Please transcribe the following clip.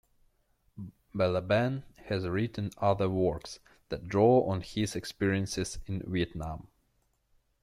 Balaban has written other works that draw on his experiences in Vietnam.